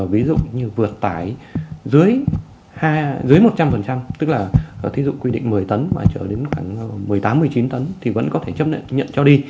ví dụ như vượt tải dưới một trăm linh tức là thí dụ quy định một mươi tấn và trở đến khoảng một mươi tám một mươi chín tấn thì vẫn có thể chấp nhận cho đi